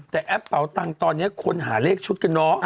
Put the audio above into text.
แต่แอปเป่าตังค์ตอนนี้คนหาเลขชุดกันเนอะ